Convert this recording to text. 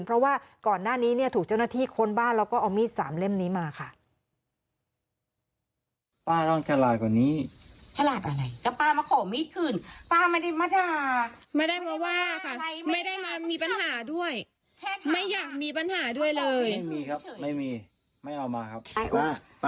เพราะว่าก่อนหน้านี้เนี่ยถูกเจ้าหน้าที่ค้นบ้านแล้วก็เอามีดสามเล่มนี้มาค่ะ